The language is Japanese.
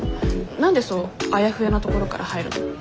何でそうあやふやなところから入るの？